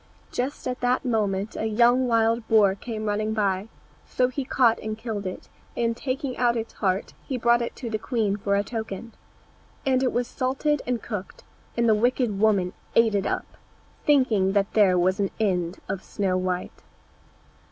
Just at that moment a young wild boar came running by, so he caught and killed it, and taking out its heart, he brought it to the queen for a token. And it was salted and cooked, and the wicked woman ate it up, thinking that there was an end of Snow white.